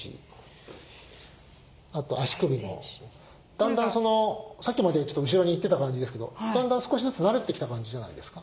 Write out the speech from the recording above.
だんだんさっきまでちょっと後ろにいってた感じですけどだんだん少しずつ慣れてきた感じじゃないですか。